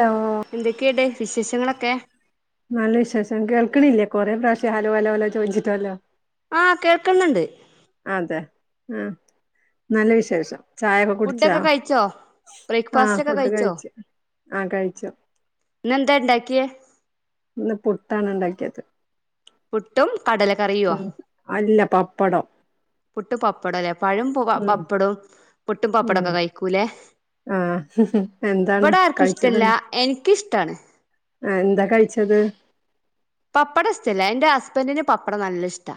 Law എന്തൊക്കെ ഇണ്ട് വിശേഷങ്ങളൊക്കെ നല്ല വിശ്വാസം കേൾക്കണില്ലേ കൊറെ പ്രാവശ്യം ഹലോ ഹലോ ചോദിച്ചിട്ടല്ലോ ആ കേൾക്ക്ന്ന്ണ്ട് അതെ ആ നല്ല വിശേഷം ചായൊക്കെ കുടിച്ചാ ഫുഡൊക്കെ കഴിച്ചോ ആഹ് ബ്രേക്ക്ഫാസ്റ്റ് ഒക്കെ ഫുഡ് കഴിച്ചോ കഴിച്ചു ആഹ് കഴിച്ചു ന്ന് എന്താ ഇണ്ടാക്കിയേ? ഇന്ന് പുട്ടാണ് ഇണ്ടാക്കിയത്. പുട്ടും കടല കറിയുവോ? ഉം അല്ല പപ്പടം. പുട്ടും പപ്പടം അല്ലേ പഴവും ഉം പപ്പടവും പുട്ടും ഉം പപ്പടൊക്കെ കഴിക്കൂലെ. ആ എന്താണ് ഇവിടെ ആർക്കും കഴിച്ചത് ഇഷ്ടല്ല എനിക്കിഷ്ടാണ്. ആ എന്താ കഴിച്ചത്? പപ്പടം ഇഷ്ടല്ല എന്റെ ഹസ്ബൻ്റിന് പപ്പടം നല്ല ഇഷ്ടാ.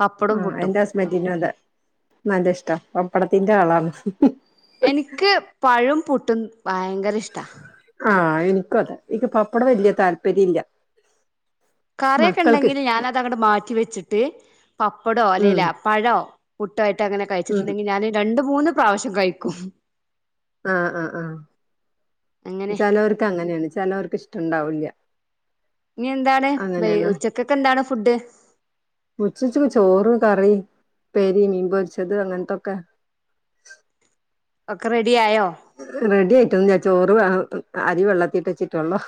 പപ്പടും ആഹ് പുട്ടും എന്റെ ഹസ്ബന്റിനും അതേ നല്ല ഇഷ്ടം പപ്പടത്തിന്റെ ആളാണ്. എനിക്ക് പഴവും പുട്ടും ഭയങ്കര ഇഷ്ടാ. ആഹ് എനിക്കും അതെ എനിക്ക് പപ്പടം വലിയ താല്പര്യം ഇല്ല. കറിയൊക്കെ മക്കൾക്ക് ഉണ്ടെങ്കിൽ ഇഷ്ടാണ് ഞാനത് അങ്ങോട്ട് മാറ്റി വെച്ചിട്ട് പപ്പടോ ഉം അല്ലേൽ പഴോ പുട്ടായിട്ട് അങ്ങനെ ഉം കഴിച്ചിട്ടുണ്ടെങ്കിൽ ഞാൻ രണ്ട് മൂന്ന് പ്രാവശ്യം കഴിക്കും. ആഹ് ആഹ് ആഹ് അങ്ങനെ ചിലോർക്ക് അങ്ങനെയാണ് ചിലോർക്ക് ഇഷ്ടണ്ടാവൂല്ല. ഇഞ് എന്താണ് വൈ ഉച്ചക്കെക്കെന്താണ് ഫുഡ്? ഉച്ചക്ക് ചോറും കറിം ഉപ്പേരിം മീൻ പൊരിച്ചത് അങ്ങൻത്തൊക്കെ. ഒക്കെ റെഡിയായോ? റെഡി ആയിട്ടൊന്നുല്ല ചോറ് വേ അരി വെള്ളത്തിലിട്ടെച്ചിട്ടൊളു.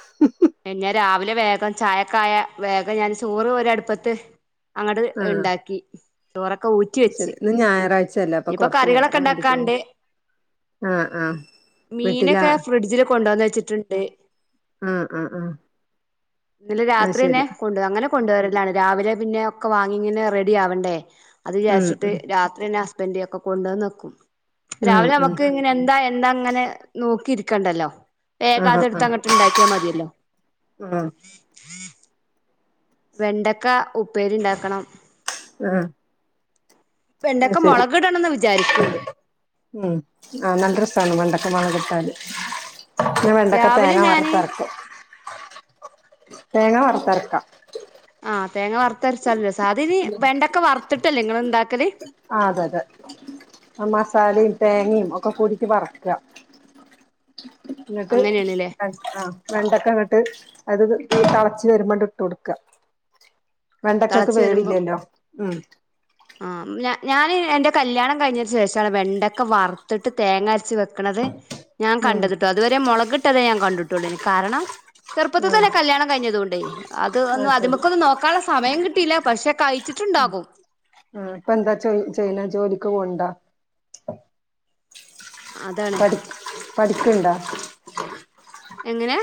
ഞാൻ രാവിലെ വേഗം ചായൊക്കായ വേഗം ഞാൻ ചോറ് ഒരടുപ്പത്ത്. അങ്ങട്ട് ആഹ് ഇണ്ടാക്കി ചോറൊക്കെ ഊറ്റി വെച്ച്. ശരി ഇന്ന് ഞായറാഴ്ചല്ലേ അപ്പൊ ഇനിയിപ്പോ കൊറച്ചു കറികളൊക്കെ നേരം വൈകിച്ചത് ഉണ്ടാക്കാണ്ട് ആഹ് ആഹ്. വീട്ടിലാ മീനൊക്കെ ഫ്രിഡ്ജില് കൊണ്ടെന്ന് വെച്ചിട്ട്ണ്ട്. ആഹ് ആഹ് ആഹ് ഇന്നലെ അത് രാത്രിന്നെ ശരി കൊണ്ട് വരും അങ്ങനെ കൊണ്ടോരലാണ് രാവിലെ പിന്നെ ഒക്കെ വാങ്ങി ഇങ്ങനെ റെഡി ആവണ്ടേ? അത് ഉം വിചാരിച്ചിട്ട് ഉം രാത്രിയെന്നെ ഹസ്ബന്റ് ഒക്കെ കൊണ്ടെന്നെക്കും ഉം രാവിലെ ഉം നമുക്ക് ഇങ്ങനെ എന്താ ഏ ന്നാങ്ങനെ നോക്കിയിരിക്കണ്ടല്ലോ വേഗ ആഹ് അതെട്ത്ത് ആഹ് അങ്ങട്ട് ഇണ്ടാക്കിയാ മതിയല്ലോ? ആഹ് [unintelligible] വെണ്ടക്ക ഉപ്പേരി ഇണ്ടാക്കണം. ആഹ് അത് വെണ്ടക്ക ശരി മൊളക് ഇടണംന്ന് വിചാരിക്ക്ണ്ട്. ഉം ആഹ് നല്ല രസാണ് വെണ്ടക്ക മൊളക് ട്ടാല്. പിന്നെ വെണ്ടക്കെ രാവിലെ തേങ്ങ ഞാന് വറ്ത്തരക്കും തേങ്ങ വറ്ത്തരക്കാ. ആഹ് തേങ്ങ വറുത്തരച്ചാലും രസാ അതിന് വെണ്ടക്ക വറുത്തിട്ടല്ലേ നിങ്ങൾ ഇണ്ടാക്കല്? ആഹ് അതെ അതെ. ആ മസാലിം തേങ്ങയും ഒക്കെ കൂട്ടീട്ട് വറ്ക്ക. ഇന്ന്ട്ട് അങ്ങനെയാണല്ലേ അത് ആഹ് വെണ്ടക്കങ്ങട്ട് അത് തളച്ച് വരുമ്പണ്ട് ഇട്ടൊട്ക്ക. വെണ്ടക്കെക് തിളച്ചു വേവില്ലല്ലോ ഉം ആഹ് ഞ ഞാന് എന്റെ കല്യാണം കഴിഞ്ഞതിന് ശേഷാണ് വെണ്ടക്ക വറുത്തിട്ട് തേങ്ങ അരച്ച് വെക്ക്ണത്. ഞാൻ ഉം കണ്ടത്ട്ടോ അതുവരെ മൊളകിട്ടതേ ഞാൻ കണ്ട്ട്ടൊള്ളേനി കാരണം. ചെറുപ്പത്തിൽ ഉം തന്നെ കല്യാണം കഴിഞ്ഞതൊണ്ടേ? അത് ആ അത് ശരി മക്കൊന്നും നോക്കാള്ള സമയം കിട്ടിയില്ല പക്ഷെ കഴിച്ചിട്ടുണ്ടാകും. ആഹ് ഇപ്പ എന്താ ചൊ ചെയ്ണേ ജോലിക്ക് പോവ് ണ്ടോ? അതാണ് പഠി പഠിക്ക്ണ്ടോ? എങ്ങനെ?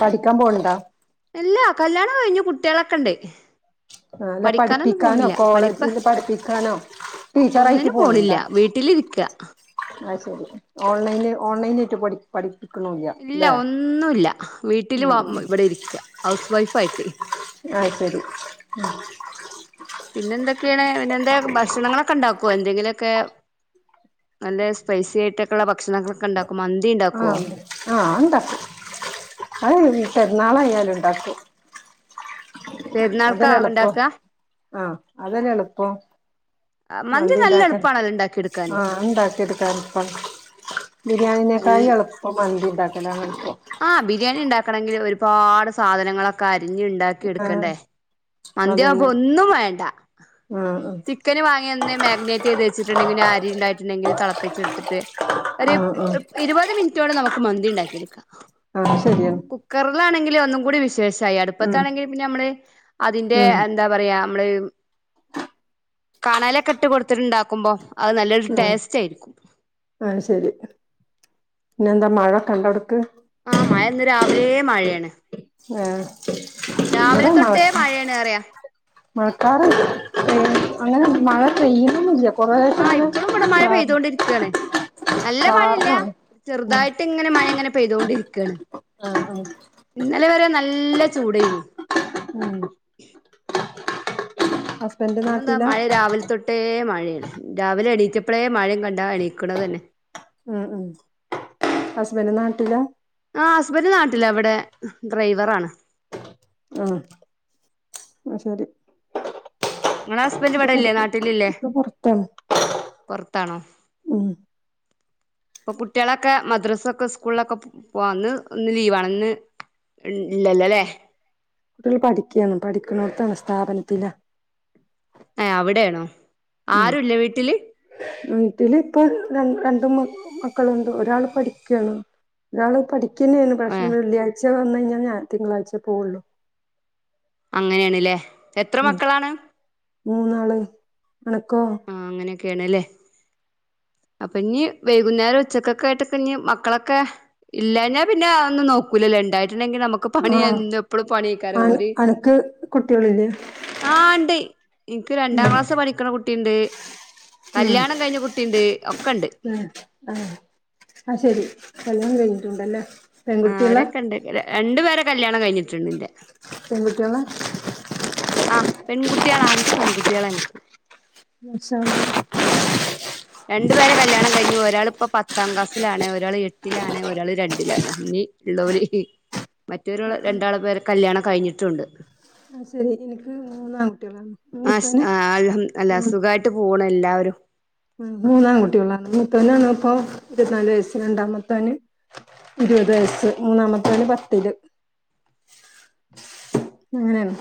പഠിക്കാൻ പോവ്ണ്ടാ? ഇല്ലാ കല്യാണം കഴിഞ്ഞു കുട്ട്യളൊക്കെ ഇണ്ട്. അല്ല പഠിപ്പിക്കാനോ പഠിപ്പ് കോളേജില് പഠിപ്പിക്കാനോ? ടീച്ചറായിട്ട് ഒന്നിനും പോണില്ല വീട്ടിലിരിക്ക. അയ്ശരി ഓൺലൈന് ഓൺലൈനായിട്ട് പഠി പഠപ്പിക്ക്ണുല്ല ഇല്ല ഒന്നുല്ല വീട്ടില് വ ഉം ഇവിടെ ഇരിക്ക ഹൗസ് വൈഫായിട്ടെ അയ്ശരി ഉം പിന്നെ എന്തൊക്കെയാണ് പിന്നെ എന്ത ഭക്ഷണങ്ങളൊ ക്കെ ഇണ്ടാക്കോ എന്തെങ്കിലൊക്കെ നല്ല സ്പൈസി ആയിട്ടെക്കെള്ള ഭക്ഷണങ്ങളൊ ക്കെണ്ടാക്കും മന്തി ഇണ്ടാക്കോ ആഹ് അത് ഇണ്ടാക്കും അത് പെരുന്നാളായാലും ഇണ്ടാക്കും പെരുന്നാൾക്കാ അതല്ലെ എളുപ്പം ഉണ്ടാക്ക ആഹ് അതല്ലേ എളുപ്പം മന്തി നല്ല മന്തിണ്ടാക്കൻ എളുപ്പാണല്ലോ ഉണ്ടാക്കിയെടുക്കാന് ആഹ് ണ്ടാക്കിയെട്ക്കാൻ നല്ല ബിരിയാണിനേക്കായി എളുപ്പം മന്തി ഉണ്ടാക്കലാണെൾപ്പം ആഹ് ബിരിയാണി ഉണ്ടാക്കണങ്കിൽ ഒരുപാട് സാധനങ്ങളെ കരിഞ്ഞ് ണ്ടാക്കി ആഹ് എട്ക്കണ്ടേ മന്തി അതന്നെ അവുമ്പൊന്നും വേണ്ട ആഹ് ചിക്കന് വാങ്ങി ന്ന് മാഗിനേറ്റ് ചെയ്ത് വെച്ചിട്ട്ണ്ടെങ്കില്ല് അരി ണ്ടായിട്ടുണ്ടെങ്കിൽ തിളപ്പിച്ചെടുത്തിട്ട് ആഹ് ഒരു ആഹ് ഒ ആഹ് ഒരിര്പ്പത് മിനിറ്റോടെ നമുക്ക് മന്തിണ്ടാക്കി എട്ക്കാ ആഹ് ശരിയാണ് ക്കർലാണെങ്കിൽ ഒന്നും കൂടി വിശേഷായി ഉം അടുപ്പത്തണെങ്കിലിൽ പിന്നമ്മള് അതിൻ്റെ ഉം അ ന്താ പറയാ മ്മ്ള് കണലെക്കെട്ട് കൊടുത്ത്ണ്ടാക്കുമ്പോ അഹ് നല്ലൊരു ട്ടെയ്സ്റ്റായിരിക്കും ആഹ് ശരി പിന്നെന്താ മഴ കണ്ട അവ്ട്ക്ക് ആഹ് മഴ ഇന്ന് രാവിലെ മഴയാണ് ഏഹ് രാവിലെ ഇവടെ മഴ തൊട്ടേ മഴയാണർയാ മഴക്കാറ് പെ അങ്ങനെ മഴ പെയ്യുണുല്യാ ആഹ് ഇപ്പളും വിട മഴ പെയ്തൊണ്ടിര്ക്കാണ് നല്ല മഴയില്ല്യ ചാറ്ണാണ് ചെറുതായിട്ട് ഇങ്ങനെ മഴ ഇങ്ങനെ പെയ്തുകൊണ്ടിരിക്കാണ് ആഹ് ആഹ് ഇന്നലെ വരെ നല്ല ചൂടേനി [inaudible] അഹ് ഇനെന്താ മഴ രാവിലെ തൊട്ടേ മഴയാണ് രാവിലെ എണീറ്റപ്പഴേ മഴിം കണ്ടാ എണീക്കണതന്നെ ഉം ഉം ഹസ്ബന്റ് നാട്ടിലാ ആഹ് ഹസ്ബൻഡറ് നാട്ടില ഇവിടെ ഡ്രൈവറാണ് ആഹ് അഹ് ശരി ങ്ങളെ ഹസ്ബന്ഡ് ഇക്ക ഇവിടെ പൊറ ഇല്ലേ നാട്ടിലില്ലേ ഇക്ക പൊറത്താണ് പൊർത്താണോ ഉം ഇപ്പൊ കുട്ട്യോളൊക്കെ മദ്രാസൊക്കെ സ്കൂൾലൊക്കെ പോവാന്ന് ഇന്ന് ലീവ്ണന്ന് ഇൻ ല്ലലേ പിൽ പഠിക്ക്യാണ് പഠിക്കുന്നോട്ത്താണ് സ്ഥാപനത്തില്ല ഏഹ് അവിടെയാണോ ഉം ആരുല്ല വീട്ടില് വീട്ടില് പ്പൊ ര രണ്ട് മക്കളുണ്ട് ഒരാള് പഠിക്കാണ് ഒരാള് പഠിക്കെന്നേണ് ഏ പശെ വെള്ളിയാഴ്ച വന്നഴിഞ്ഞാ ഞാ തിങ്കളാഴ്ചേ പോവുള്ളു അങ്ങനേണ്ല്ലേ എത്ര ഉം മക്കളാണ് മൂന്നാള് അണക്കോ ആഹ് അങ്ങനൊക്കേണ്ല്ലേ അപ്പം ഞ്ഞി വൈകുന്നേരം ഉച്ചക്കൊക്കെ ആയിട്ടൊക്കെ ഞ്ഞി മക്കളൊക്കെ ഇല്ല ഞാ പിന്നെ ഒന്നും നോക്കൂലല്ലോ ഇണ്ടായി റ്റ്ണെങ്കി നമുക്ക് ആഹ് പണിയെന്ത് എപ്പളും പണിയ്ക്കാര ഓര് ട്ട്യളില്ലേ ആഹ് ണ്ട് എനിക്ക് രണ്ടാം ക്ലാസ് പഠിക്കണ കുട്ടിണ്ട് ഉം കല്ല്യാണം കഴിഞ്ഞ കുട്ടിണ്ട് ഒക്കെണ്ട് ആഹ് ആഹ് ശെരി കല്യാണം കഴിഞ്ഞിട്ടുണ്ടല്ലേ ആ പെൺകുട്ടികളാ അവരൊക്കെ ഉണ്ട് രണ്ടു പേരെ കല്യാണം കഴിഞ്ഞിട്ടുണ്ട്ന്റെ പെൺ കുട്ടികളാ ആ പെൺകുട്ടികളാ അഞ്ച് പെൺകുട്ടികളാ എനിക്ക് മാഷാ അള്ളാ രണ്ടു പേരെ കല്യാണം കഴിഞ് ഒരാൾ ഇപ്പം പത്താം ക്ലാസിലാണ് ഒരാൾ എട്ടിലാണ് ഒരാൾ രണ്ടിലാണ് ഇനി ഉള്ളവര് മറ്റവരു രണ്ടാള് പേരെ കല്ല്യാണം കഴിഞ്ഞിട്ടുണ്ട് അത് ശരി എനിക്ക് മൂന്നാൺകുട്ടികളാണ് ആ മൂത്തോന് ആ അൽഹം അല്ല സുഖായിട്ട് പോണ് എല്ലാവരും മൂന്നാൺ കുട്ടികളാണ് മൂത്തവനാണ് ഇപ്പൊ ഇരുപത്തിനാല് വയസ്സ് രണ്ടാ മത്തവന് ഇരുപത് വയസ്സ് മൂന്നാമത്തവന് പത്തില്ല് അങ്ങനെയാണ്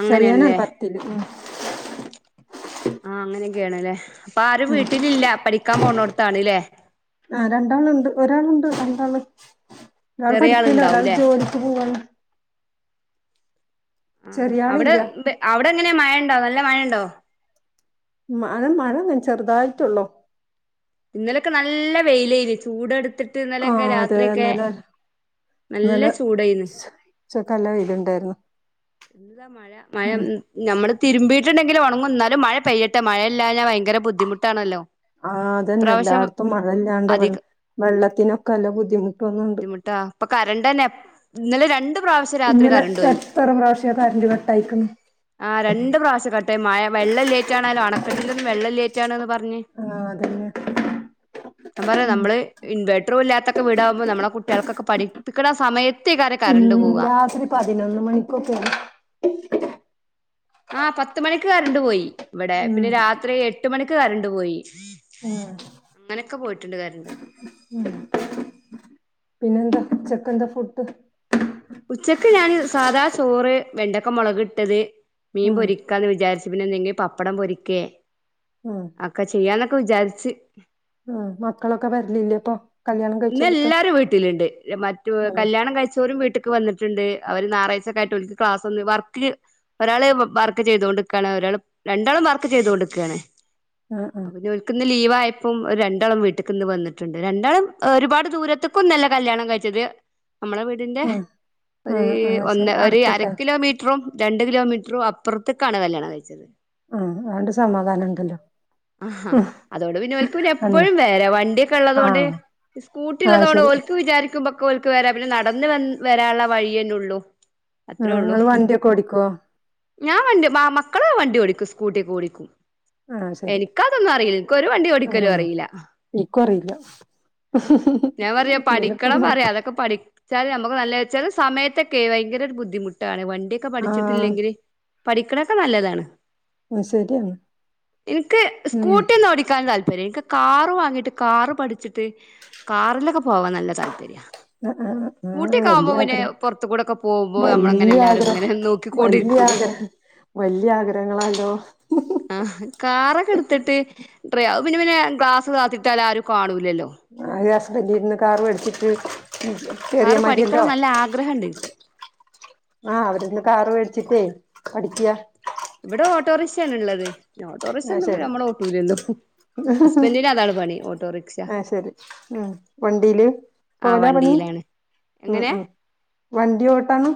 അങ്ങനെയാണ്ല്ലേ ചെറിയാനാണ് പത്തില് ഉം ആ അങ്ങനെയൊക്കെയണല്ലേ അപ്പൊ ആരും ഉം വീട്ടിലില്ല പഠിക്കാൻ പോണടത്തണല്ലേ ആ രണ്ടാളുണ്ട് ഒരാളുണ്ട് രണ്ടാള് ഒരാള് ചെറിയ പഠിക്കണ് ആള്ണ്ടാവൂലേ ഒരാള് ജോലിക്ക് പോവുവാണ് ആ അവിടെ ചെറിയാളില്ല അവിടെ എങ്ങനെയാ മഴയുണ്ടോ നല്ല മഴയുണ്ടോ മഴ മഴ ചെറുതായിട്ടുള്ളൂ ഇന്നലൊക്കെ നല്ല വെയിലയില് ചൂട് എടുത്തിട്ട് ആ ഇന്നലൊക്കെ അതെ രാത്രിയൊക്കെ ഇന്നലെ നല്ല ഇന്നലെ ചൂടേന്ന് ഉച്ചക്ക് നല്ല നല്ലവെയിലുണ്ടായിരുന്നു എന്താ മഴ മയ നമ്മള് തിരുമ്പീട്ടുണ്ടെില് ഉണങ്ങും എന്നാലും മഴ പെയ്യട്ടെ മഴയല്ലഴഞ്ഞാ ഭയങ്കര ബുദ്ധിമുട്ടാണല്ലോ ആ അതന്നെ ഇപ്രാവശ്യം എല്ലായിടത്തും മഴല്ലാണ്ട് വെ അധികം വെള്ളത്തിനൊക്കെ നല്ല ബുദ്ധിമുട്ടുന്നുണ്ട് ബുദ്ധിമുട്ടാ ഇപ്പൊ കരണ്ട്തന്നെ ഇന്നെലെ രണ്ട് പ്രാവശ്യം രാത്രി ഇന്നലെ കറണ്ട് പോയി എത്ര പ്രാവശ്യ കറന്റ് കട്ടായിക്കണ് ആ രണ്ട് പ്രാവശ്യ കട്ട്ആയെ മഴ വെള്ളം ഇല്ലാനിട്ട് ആണാലോ അണക്കെട്ടിലൊന്നും വെള്ളംലേനിറ്റ് ആണന്ന് പറഞ്ഞ ആഹ് അതന്നെ ഞാൻ പറയ നമ്മള് ഇൻവേർട്ടറും ഇല്ലാത്തൊക്കെ വീടാകുമ്പോ നമ്മളെ കുട്ടികൾക്കെ പഠിക്കണ സമയത്തേക്ക് ഉം കറണ്ട് പോവുക രാത്രി പതിനൊന്ന് മണിക്കൊക്കെ ആ പത്ത് മണിക്ക് കറണ്ട് പോയി ഇവിടെ ഉം പിന്നെ രാത്രി എട്ട് മണിക്ക് കറണ്ട് പോയി ആഹ് അങ്ങനൊക്കെ പോയിട്ടുണ്ട് കറണ്ട് ഉം പിന്നെന്താ ഉച്ചക്ക് എന്താ ഫുഡ് ഉച്ചക്ക് ഞാന് സാധാ ചോറ് വെണ്ടക്ക മുളക് ഇട്ടത് മീൻ ഉം പൊരി നിക്കാന്ന് വിചാരിച്ചു പിന്നെ അല്ലെങ്കി പപ്പടം പൊരിക്കേ ഉം അക്കെ ചെയ്യാന്നൊക്കെ വിചാരിച്ച് ആ മക്കളൊക്കെ വരലില്ലേ അപ്പൊ കല്യാണം ഇന്ന് കഴിച്ചോട്ത്ത് എല്ലാരും വീട്ടിലുണ്ട് മറ്റ അതെ കല്യാണം കഴിച്ചവരും വീട്ടിൽ വന്നിട്ടുണ്ട് അവര് ഞായറാഴ്ച ഒക്കൊയിട്ട് ഓർക്ക് ക്ലാസ്ന്ന് വർക്ക് ഒരാള് വർക്ക് ചെയ്തു കൊണ്ടിരിക്കുകയാണ് ഒരാൾ രണ്ടാളും വർക്ക് ചെയ്തു കൊണ്ടിരിക്കുകയാണ് ആഹ് ആഹ് അപ്പനി ഒർക്ക് ഇന്ന് ലീവ് ആയപ്പം രണ്ടാളും വീട്ട്ക്ക് ഇന്ന് വന്നിട്ടുണ്ട് രണ്ടാളും ഒരുപാട് ദൂരത്തക്കൊന്നുവല്ല കല്യാണം കഴിച്ചത് നമ്മുടെ വീട്ട ആഹ് ആഹ് ആഹ് ശരി ന്റെ ഒരു അര അടുത്തൊക്കെ കിലോമീറ്റ റും രണ്ട് കിലോമീറ്ററും അപ്പുറത്തേക്കാണ് കല്യാണം കഴിച്ചത് ആ അതാണ്ട് സമാധാനം ഉണ്ടല്ലോ ആ ഉം അതോണ്ട് പിന്നെ ഓര്ക്ക് പിന്നെ അല്ല എപ്പോഴും വരാ വണ്ടിയൊക്കെ ഉള്ളത് കൊണ്ട് ആഹ് സ്കൂട്ടി ആഹ് ഉള്ളതോണ്ട് ശരി ഓൽക്ക് വിചാരിക്കുമ്പ ഓല്ക്ക് വരാ പിന്നെ നടന്ന് വ വരാനുള്ള വഴിയന്നെ ഉള്ളൂ അത്രേ ആഹ് ഉള്ളു ഇങ്ങള് വണ്ടിയൊക്കെ ഓടിക്കോ? ഞാൻ വണ്ടി മക്കൾ വണ്ടി ഓടിക്കും സ്കൂട്ടി ഒക്കെ ഓടിക്കും ആഹ് ശരി എനിക്കതൊന്നും അറിയില്ല എനിക്ക് ഒരു വണ്ടി ഓടിക്കലും അറിയില്ല ഇൻക്കും അറിയില്ല ഞാൻ പറയാ പിന്നെപ്പം പഠിക്കണം പറയാ അതൊക്കെ പഠിക്ക പടിച്ചാൽ നമുക്ക് നല്ലത് ചെല സമയത്തൊക്കെ ഭയങ്കര ഒരു ബുദ്ധിമുട്ടാണ് വണ്ടിയൊക്കെ ആഹ് പഠിച്ചിട്ടില്ലെങ്കില് പഠിക്കണൊക്കെ നല്ലതാണ് ശരിയാണ് ഇൻക്ക് ഉം സ്കൂട്ടി ഒന്നും ഓടിക്കാൻ താല്പര്യം പേരെക്ക് കാറ് വാങ്ങിട്ട് കാറ് പഠിച്ചിട്ട് കാറിലൊക്കെ പോവാൻ നല്ല താല്പര്യ ആഹ് ആഹ് ആഹ് സ്കുട്ടിക്കൊവുമ്പോ വല്യ പിന്നെ ആഗ്രഹം പുറത്തു കൂടെക്കെ പോകുമ്പോൾ നമ്മളങ്ങനെ എല്ലാവരും ഇങ്ങനെ നോക് വല്യയ ആഗ്രഹം വല്യയ ആഗ്രഹങ്ങളാല്ലോ ആഹ് കാറൊക്കെ എടുത്തിട്ട് ഡ്രൈ അത് പിന്നെ പിന്നെ ഗ്ലാസ് താത്തിട്ടാൽ ആരും കാണൂല്ലല്ലോ ആ എന്റെ ഹസ്ബന്റിന്ന് കാർ മേടിച്ചിട്ട് കേറിയാ കാറ് മതിയല്ലോ പഠിക്കണം നല്ല ആഗ്രഹണ്ട് എനിക്ക് ആഹ് അവരന്ന് കാറ് മേടിച്ചിട്ടേ പഠിക്കാ ഇവിടെ ഓട്ടോറിക്ഷയാണ് ഉള്ളത് ഓട്ടോറിക്ഷ ആഹ് ഒന്നും ശരി നമ്മൾ ഓട്ടൂലല്ലോ ഹസ്ബൻഡിന് അതാണ് പണി ഓട്ടോറിക്ഷ ആഹ് ശരി ഉം വണ്ടിയില് ആ വണ്ടിയിലാണ് ഉം എങ്ങനെ ഉം വണ്ടി ഓട്ടാണ്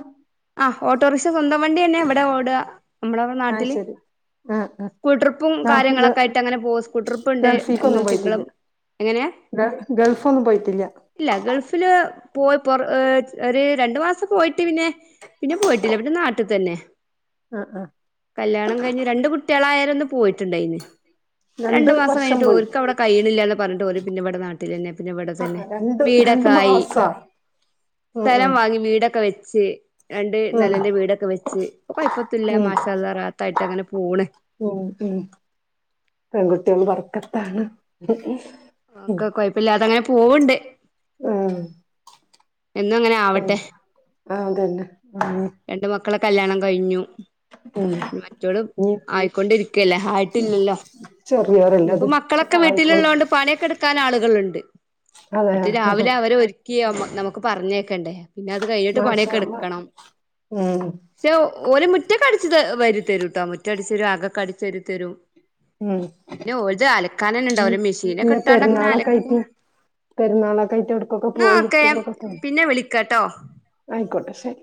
ആ ഓട്ടോറിക്ഷ സ്വന്തം വണ്ടി തന്നെ ഇവിടെ ഓടാ നമ്മളടെ നാട്ടില് ആ ഹ് സ്കൂൾ ട്രിപ്പും കാര്യങ്ങളൊക്കെ ആയിട്ട് അങ്ങനെ പോകും സ്കൂൾ ട്രിപ്പ്ണ്ട് എന്നും ഗൾഫിക്കൊന്നും പോയിട്ടില്ല തിങ്കളും എങ്ങനെ ഗ ഗൾഫ് ഒന്നും പോയിട്ടില്ല ഇല്ല ഗൾഫില് പോയിപോന്ന് ഒരു രണ്ടു മാസം പോയിട്ട് പിന്നെ പിന്നെ പോയിട്ടില്ല പിന്നെ നാട്ടിൽ തന്നെ ആഹ് ആഹ് കല്യാണം കഴിഞ്ഞ് രണ്ട് കുട്ടികളായാരെ ഒന്ന് പോയിട്ടുണ്ടായിനി ആ രണ്ട് രണ്ടു മാസം വർഷം കഴിഞ്ഞിട്ട് പോയി ഓൽക്ക് അവിടെ കയ്യാണ്ല്ലാന്ന് പറഞ്ഞിട്ട് ഓല് പിന്നെ ഇവിടെ നാട്ടിൽ തന്നെ പിന്നെ ഇവിടെ ആഹ് തന്നെ രണ്ട് രണ്ട് വീടൊക്കായി മാസാ ഉം സ്ഥലം വാങ്ങി വീടൊക്കെ വെച്ച് രണ്ട് നല ഉം ൻന്റെ ഉം വീടൊക്കെ വെച്ച് ഇപ്പം കൊഴപ്പത്തുല്ല ഉം മാഷാഅള്ളാ റാഹത്തായിട്ടങ്ങനെ പോണ് ഉം ഉം പെൺകുട്ടികൾ ബറക്കത്താണ് ഒക്കെ കൊഴപ്പല്ലാതങ്ങനെ പോവുണ്ട് ഉം എന്നും അങ്ങനെ ആവട്ടെ അഹ് അതന്നെ അഹ് രണ്ട് മക്കളെ കല്ല്യാണം കഴിഞ്ഞു ഉം മറ്റോളും ഇനി ആയിക്കൊണ്ടിരിക്കയല്ലേ ആയിട്ടില്ലല്ലോ ചെറിയോരല്ലേ ഇന്ന്പ്പോ അത് ഒക്കെ മക്കളൊക്കെ ആയിക്കോളും വീട്ടിലിള്ളോണ്ട് പണിയൊക്കെ എടുക്ക ക്കാൻ ആളുകളുണ്ട് അതെ മറ്റേ രാവിലെ അവരെ ഒരുക്കി നമുക്ക് പറഞയക്കണ്ടേ മാഷാഅള്ളാ മ് പക്ഷെ ഓൽ മുറ്റക്കടിച്ച് വാരി തരുട്ടോ മുറ്റ അടിച്ചു തരും ആകൊക്കെ അടിച്ചു വാരിതരും ഉം പിന്നെ ഓൽത് അലക്കാനെന്നെ ഉണ്ടാവും പിന്നെ മിഷിനിലിട്ടാണ്ടങ്ങനെ പെരുന്നാളൊക്കെ അലക്കും ആയിട്ട് പെരുന്നാളൊക്കെ ആയിട്ട് ഒട്കൊക്കെ പോയി ടൂറൊക്കെ പോയോ കേട്ടോ ആയിക്കോട്ടെ ശരി